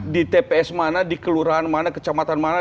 di tps mana di kelurahan mana kecamatan mana